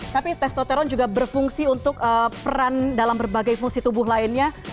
tapi testoteron juga berfungsi untuk peran dalam berbagai fungsi tubuh lainnya